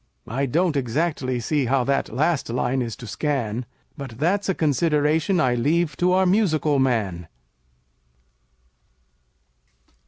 I don't exactly see how that last line is to scan, But that's a consideration I leave to our musical man.